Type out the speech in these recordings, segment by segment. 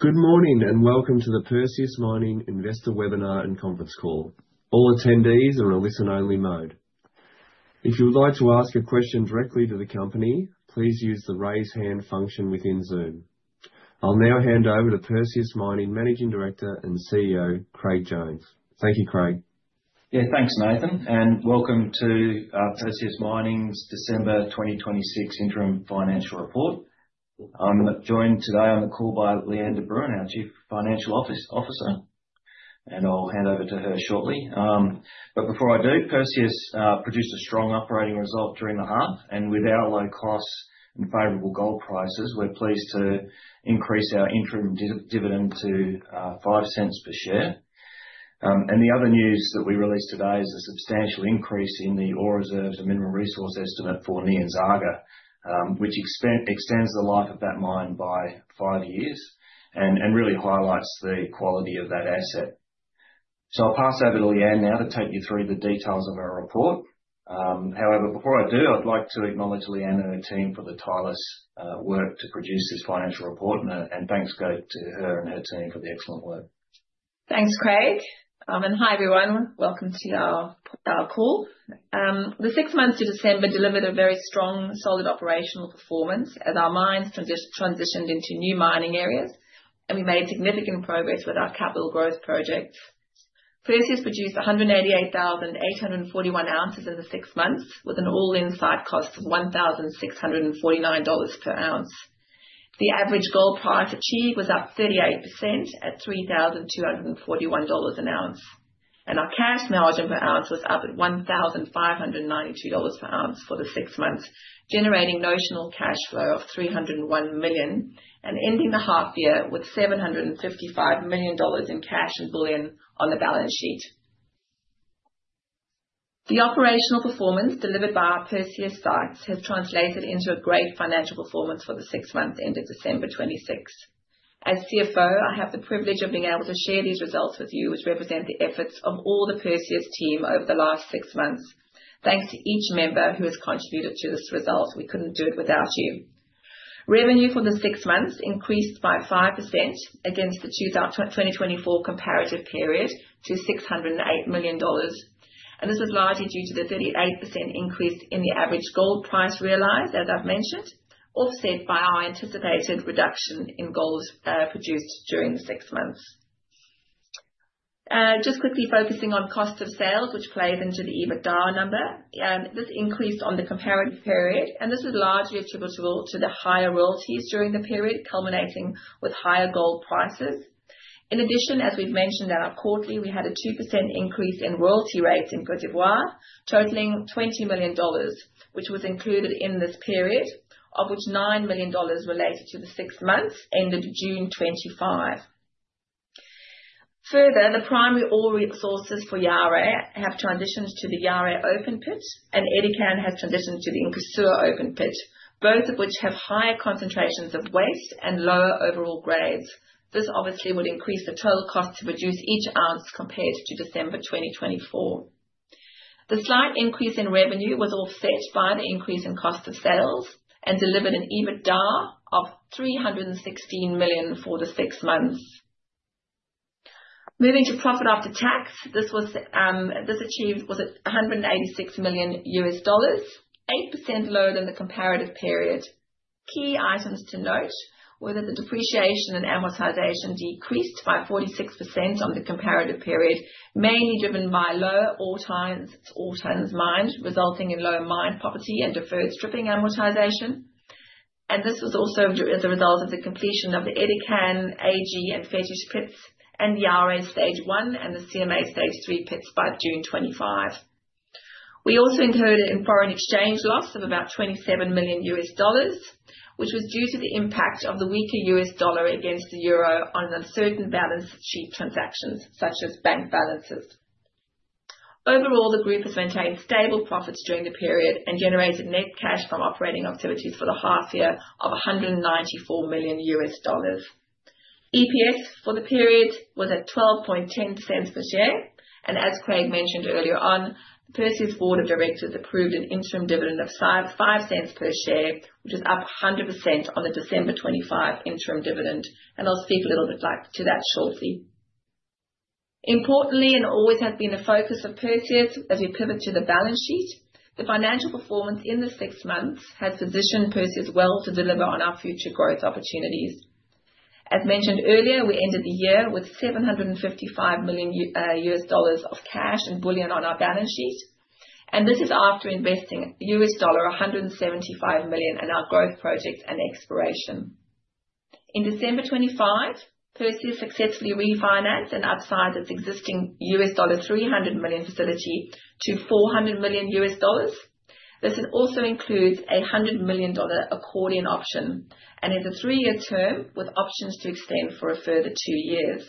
Good morning, and welcome to the Perseus Mining Investor Webinar and Conference Call. All attendees are in a listen-only mode. If you would like to ask a question directly to the company, please use the raise hand function within Zoom. I'll now hand over to Perseus Mining Managing Director and CEO, Craig Jones. Thank you, Craig. Yeah, thanks, Nathan, and welcome to Perseus Mining's December 2026 interim financial report. I'm joined today on the call by Lee-Anne de Bruin, our Chief Financial Officer, and I'll hand over to her shortly. But before I do, Perseus produced a strong operating result during the half, and with our low costs and favorable gold prices, we're pleased to increase our interim dividend to 0.05 per share. And the other news that we released today is a substantial increase in the ore reserves and mineral resource estimate for Nyanzaga, which extends the life of that mine by five years and really highlights the quality of that asset. So I'll pass over to Lee-Anne now to take you through the details of our report. However, before I do, I'd like to acknowledge Lee-Anne and her team for their tireless work to produce this financial report, and thanks go to her and her team for the excellent work. Thanks, Craig. And hi, everyone. Welcome to our call. The six months to December delivered a very strong, solid operational performance as our mines transitioned into new mining areas, and we made significant progress with our capital growth projects. Perseus produced 188,841 ounces in the six months, with an all-in site cost of $1,649 per ounce. The average gold price achieved was up 38% at $3,241 an ounce, and our cash margin per ounce was up at $1,592 per ounce for the six months, generating notional cash flow of $301 million, and ending the half year with $755 million in cash and bullion on the balance sheet. The operational performance delivered by our Perseus sites has translated into a great financial performance for the six months ended December 26th. As CFO, I have the privilege of being able to share these results with you, which represent the efforts of all the Perseus team over the last six months. Thanks to each member who has contributed to this result. We couldn't do it without you. Revenue for the six months increased by 5% against the 2024 comparative period, to $608 million, and this was largely due to the 38% increase in the average gold price realized, as I've mentioned, offset by our anticipated reduction in gold produced during the six months. Just quickly focusing on cost of sales, which plays into the EBITDA number. This increased on the comparative period, and this was largely attributable to the higher royalties during the period, culminating with higher gold prices. In addition, as we've mentioned in our quarterly, we had a 2% increase in royalty rates in Côte d'Ivoire, totaling $20 million, which was included in this period, of which $9 million related to the six months ended June 2025. Further, the primary ore resources for Yaouré have transitioned to the Yaouré open pit, and Edikan has transitioned to the Nkran open pit, both of which have higher concentrations of waste and lower overall grades. This obviously would increase the total cost to produce each ounce compared to December 2024. The slight increase in revenue was offset by the increase in cost of sales and delivered an EBITDA of $316 million for the six months. Moving to profit after tax, this was, this achieved was at $186 million, 8% lower than the comparative period. Key items to note were that the depreciation and amortization decreased by 46% on the comparative period, mainly driven by lower ore tonnes, ore tonnes mined, resulting in lower mine property and deferred stripping amortization. And this was also as a result of the completion of the Edikan, Agyemang, and Fetish pits, and the Yaouré Stage One and the CMA Stage Three pits by June 2025. We also incurred a foreign exchange loss of about $27 million, which was due to the impact of the weaker US dollar against the euro on certain balance sheet transactions, such as bank balances. Overall, the group has maintained stable profits during the period and generated net cash from operating activities for the half year of $194 million. EPS for the period was at $0.1210 per share, and as Craig mentioned earlier on, Perseus' board of directors approved an interim dividend of $0.055 per share, which is up 100% on the December 2025 interim dividend. And I'll speak a little bit, like, to that shortly. Importantly, and always has been a focus of Perseus as we pivot to the balance sheet, the financial performance in the six months has positioned Perseus well to deliver on our future growth opportunities. As mentioned earlier, we ended the year with $755 million of cash and bullion on our balance sheet, and this is after investing $175 million in our growth projects and exploration. In December 2025, Perseus successfully refinanced and upsized its existing $300 million facility to $400 million. This also includes a $100 million accordion option and is a three-year term with options to extend for a further two years.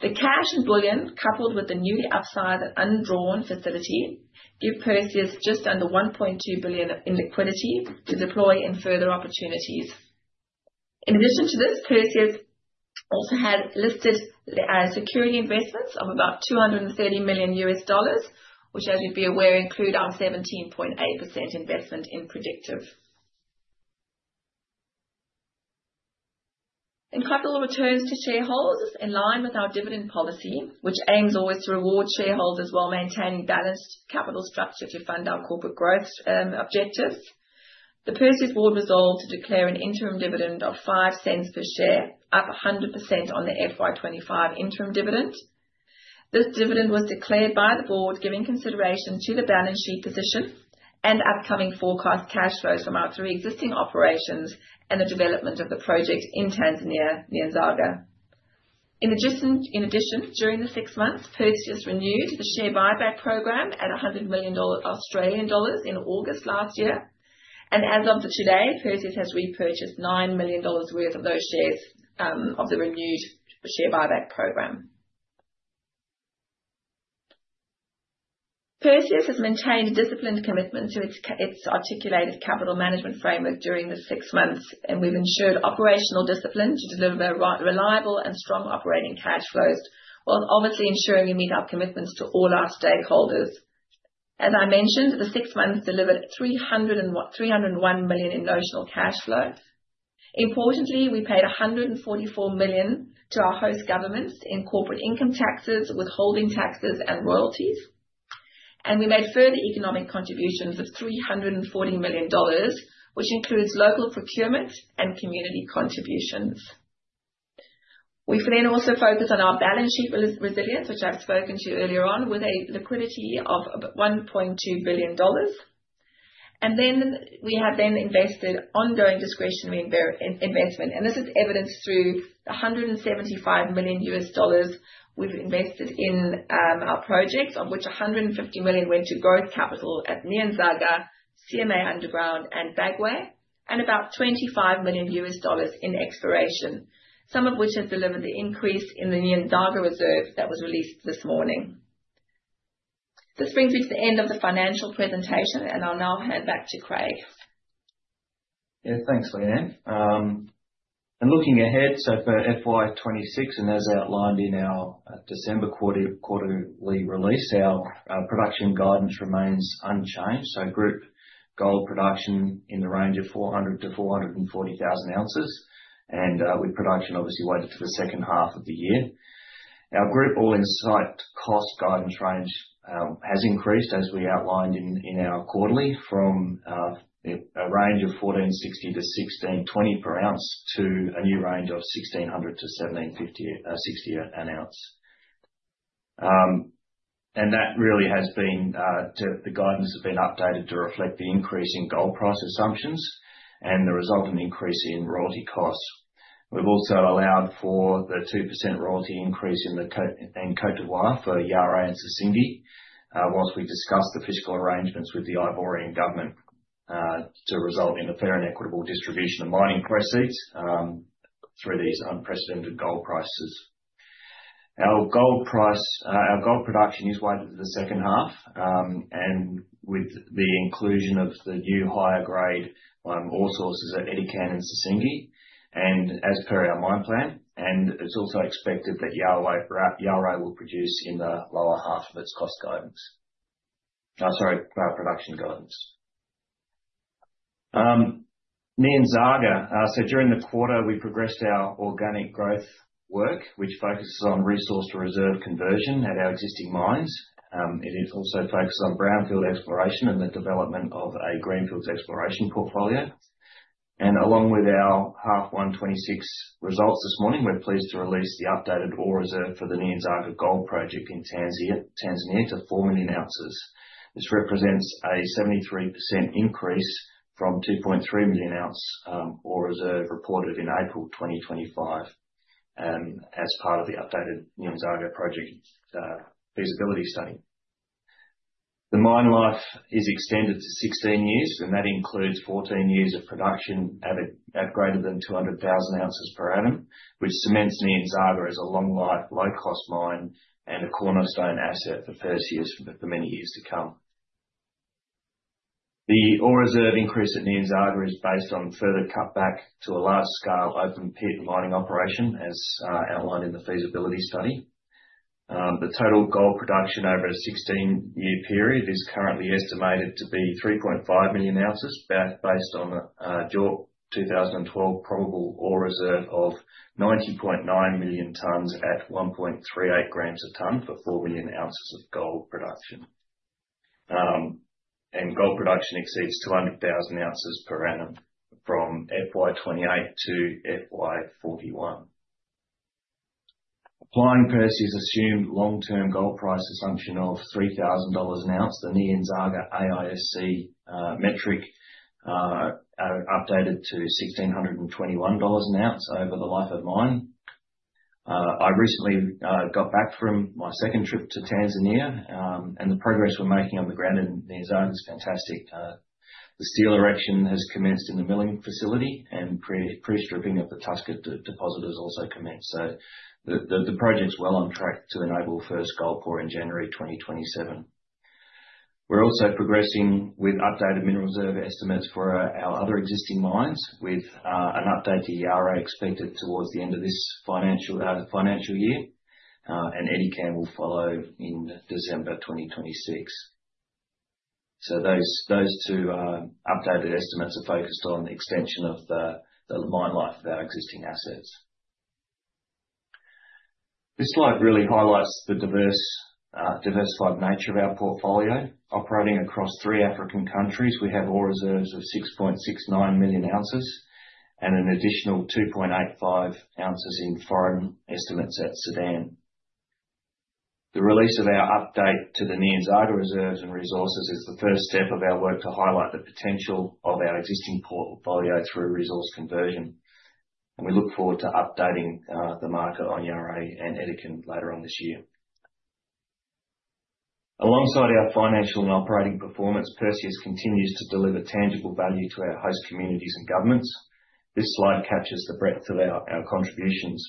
The cash and bullion, coupled with the newly upsized undrawn facility, give Perseus just under $1.2 billion in liquidity to deploy in further opportunities. In addition to this, Perseus also has listed security investments of about $230 million, which, as you'd be aware, include our 17.8% investment in Predictive. In capital returns to shareholders, in line with our dividend policy, which aims always to reward shareholders while maintaining balanced capital structure to fund our corporate growth objectives, the Perseus board resolved to declare an interim dividend of 0.05 per share, up 100% on the FY25 interim dividend. This dividend was declared by the board, giving consideration to the balance sheet position and upcoming forecast cash flows from our three existing operations, and the development of the project in Tanzania, Nyanzaga. In addition, during the six months, Perseus renewed the share buyback program at 100 million Australian dollars in August last year, and as of today, Perseus has repurchased 9 million dollars worth of those shares of the renewed share buyback program. Perseus has maintained a disciplined commitment to its articulated capital management framework during the six months, and we've ensured operational discipline to deliver reliable and strong operating cash flows, while obviously ensuring we meet our commitments to all our stakeholders. As I mentioned, the six months delivered three hundred and what? $301 million in notional cash flows. Importantly, we paid $144 million to our host governments in corporate income taxes, withholding taxes, and royalties. We made further economic contributions of $340 million, which includes local procurement and community contributions. We've then also focused on our balance sheet resilience, which I've spoken to earlier on, with a liquidity of $1.2 billion. Then we have invested ongoing discretionary investment, and this is evidenced through the $175 million we've invested in our projects, of which $150 million went to growth capital at Nyanzaga, CMA Underground and Bagoé, and about $25 million in exploration. Some of which has delivered the increase in the Nyanzaga reserve that was released this morning. This brings us to the end of the financial presentation, and I'll now hand back to Craig. Yeah, thanks, Lee-Anne. And looking ahead, so for FY 2026, and as outlined in our December quarterly release, our production guidance remains unchanged. So group gold production in the range of 400-440,000 ounces, and with production obviously weighted to the second half of the year. Our group all-in site cost guidance range has increased, as we outlined in our quarterly, from a range of $1,460-$1,620 per ounce, to a new range of $1,600-$1,760 an ounce. And that really has been the guidance has been updated to reflect the increase in gold price assumptions and the resulting increase in royalty costs. We've also allowed for the 2% royalty increase in Côte d'Ivoire for Yaouré and Sissingué. While we discuss the fiscal arrangements with the Ivorian government to result in a fair and equitable distribution of mining proceeds through these unprecedented gold prices. Our gold production is weighted to the second half. And with the inclusion of the new higher grade ore sources at Edikan and Sissingué, and as per our mine plan, and it's also expected that Yaouré will produce in the lower half of its production guidance. Sorry, production guidance. Nyanzaga. So during the quarter, we progressed our organic growth work, which focuses on resource-to-reserve conversion at our existing mines. It is also focused on brownfield exploration and the development of a greenfields exploration portfolio. Along with our H1 2026 results this morning, we're pleased to release the updated Ore Reserve for the Nyanzaga Gold Project in Tanzania to 4 million ounces. This represents a 73% increase from 2.3 million ounce Ore Reserve reported in April 2025 as part of the updated Nyanzaga project feasibility study. The mine life is extended to 16 years, and that includes 14 years of production at greater than 200,000 ounces per annum, which cements Nyanzaga as a long-life, low-cost mine and a cornerstone asset for Perseus for many years to come. The Ore Reserve increase at Nyanzaga is based on further cutback to a large scale open pit mining operation, as outlined in the feasibility study. The total gold production over a 16-year period is currently estimated to be 3.5 million ounces, based on a JORC 2012 probable ore reserve of 90.9 million tonnes at 1.38 grams a tonne, for 4 million ounces of gold production. Gold production exceeds 200,000 ounces per annum from FY 2028 to FY 2041. Applying Perseus' assumed long-term gold price assumption of $3,000 an ounce, the Nyanzaga AISC metric updated to $1,621 an ounce over the life of mine. I recently got back from my second trip to Tanzania, and the progress we're making on the ground in Nyanzaga is fantastic. The steel erection has commenced in the milling facility, and pre-stripping of the Tusker Deposit has also commenced. So the project's well on track to enable first gold pour in January 2027. We're also progressing with updated mineral reserve estimates for our other existing mines, with an update to Yaouré expected towards the end of this financial, financial year. And Edikan will follow in December 2026. So those two updated estimates are focused on the extension of the mine life of our existing assets. This slide really highlights the diverse, diversified nature of our portfolio. Operating across three African countries, we have ore reserves of 6.69 million ounces, and an additional 2.85 ounces in inferred estimates at Sudan. The release of our update to the Nyanzaga reserves and resources is the first step of our work to highlight the potential of our existing portfolio through resource conversion. We look forward to updating the market on Yaouré and Edikan later on this year. Alongside our financial and operating performance, Perseus continues to deliver tangible value to our host communities and governments. This slide captures the breadth of our contributions.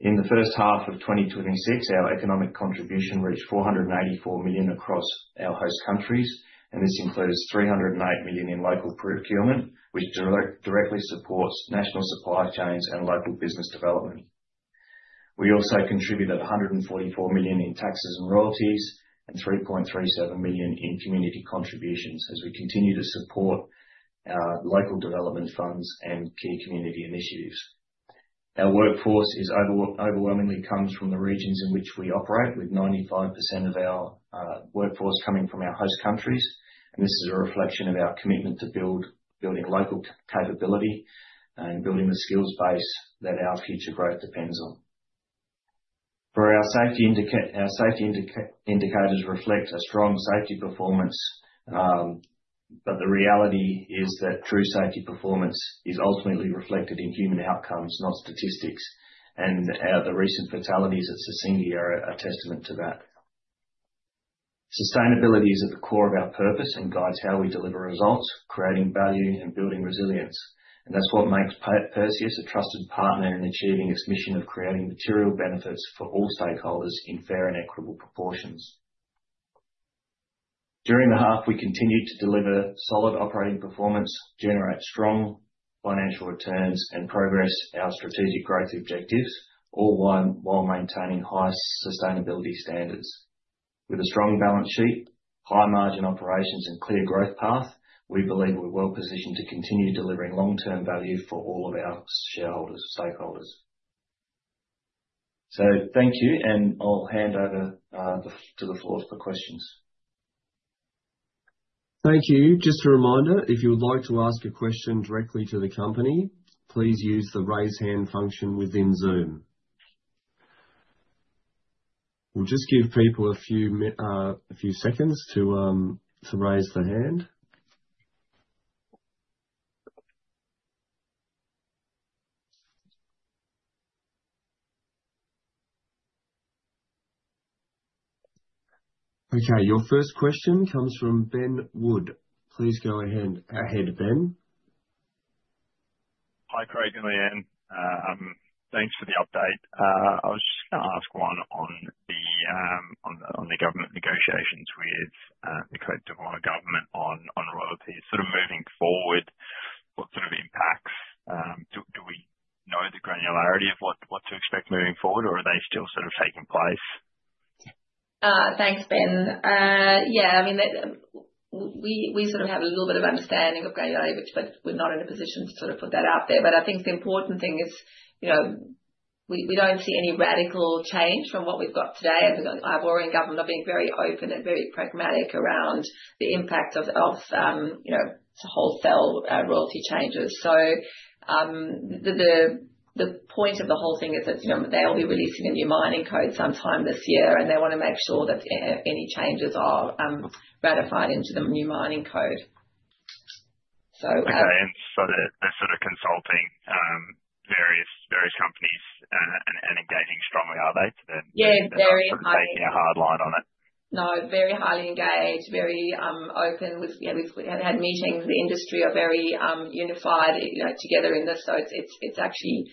In the first half of 2026, our economic contribution reached $484 million across our host countries, and this includes $308 million in local procurement, which directly supports national supply chains and local business development. We also contributed $144 million in taxes and royalties, and $3.37 million in community contributions, as we continue to support our local development funds and key community initiatives. Our workforce overwhelmingly comes from the regions in which we operate, with 95% of our workforce coming from our host countries, and this is a reflection of our commitment to building local capability, and building the skills base that our future growth depends on. For our safety indicators reflect a strong safety performance, but the reality is that true safety performance is ultimately reflected in human outcomes, not statistics. And, the recent fatalities at Sissingué are a testament to that. Sustainability is at the core of our purpose, and guides how we deliver results, creating value and building resilience. And that's what makes Perseus a trusted partner in achieving its mission of creating material benefits for all stakeholders in fair and equitable proportions. During the half, we continued to deliver solid operating performance, generate strong financial returns, and progress our strategic growth objectives, all while maintaining high sustainability standards. With a strong balance sheet, high-margin operations, and clear growth path, we believe we're well positioned to continue delivering long-term value for all of our shareholders, stakeholders. So thank you, and I'll hand over to the floor for questions. Thank you. Just a reminder, if you would like to ask a question directly to the company, please use the raise hand function within Zoom. We'll just give people a few seconds to raise their hand. Okay, your first question comes from Ben Woods. Please go ahead, Ben. Hi, Craig and Lee-Anne. Thanks for the update. I was just gonna ask one on the government negotiations with the Côte d'Ivoire government on royalties. Sort of moving forward, what sort of impacts do we know the granularity of what to expect moving forward, or are they still sort of taking place? Thanks, Ben. Yeah, I mean, we, we sort of have a little bit of understanding of granularity, but we're not in a position to sort of put that out there. But I think the important thing is, you know, we, we don't see any radical change from what we've got today. And the Ivorian government are being very open and very pragmatic around the impact of, of, you know, wholesale royalty changes. So, the point of the whole thing is that, you know, they'll be releasing a new mining code sometime this year, and they wanna make sure that any changes are ratified into the new mining code. So, Okay, and so they're sort of consulting various companies and engaging strongly, are they? Yeah, very highly. Taking a hard line on it. No, very highly engaged. Very, open with... Yeah, we've had meetings. The industry are very, unified, you know, together in this. So it's actually,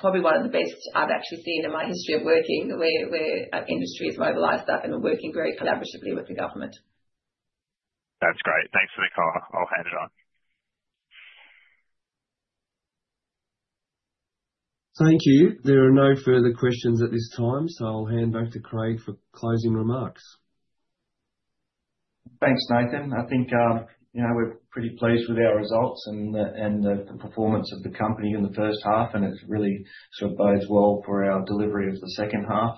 probably one of the best I've actually seen in my history of working, where industry has mobilized up and are working very collaboratively with the government. That's great. Thanks for the call. I'll hand it on. Thank you. There are no further questions at this time, so I'll hand back to Craig for closing remarks. Thanks, Nathan. I think, you know, we're pretty pleased with our results and the performance of the company in the first half, and it really sort of bodes well for our delivery of the second half.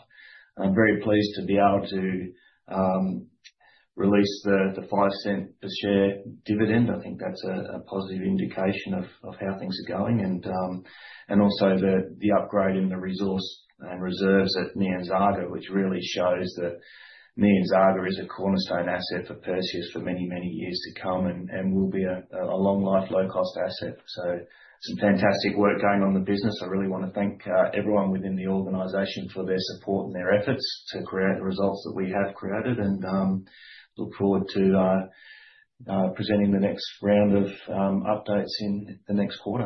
I'm very pleased to be able to release the 0.05 per share dividend. I think that's a positive indication of how things are going. And also the upgrade in the resource and reserves at Nyanzaga, which really shows that Nyanzaga is a cornerstone asset for Perseus for many, many years to come, and will be a long-life, low-cost asset. So some fantastic work going on in the business. I really want to thank everyone within the organization for their support and their efforts to create the results that we have created. Look forward to presenting the next round of updates in the next quarter.